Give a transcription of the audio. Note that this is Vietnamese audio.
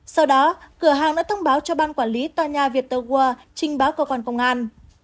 sau đó cửa hàng đã thông báo cho ban quản lý tòa nhà vietter world trình báo cơ quan công an